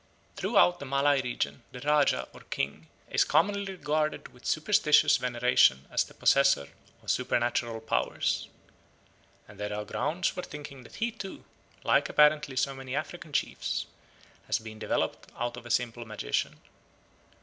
Throughout the Malay region the rajah or king is commonly regarded with superstitious veneration as the possessor of supernatural powers, and there are grounds for thinking that he too, like apparently so many African chiefs, has been developed out of a simple magician.